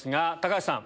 橋さん。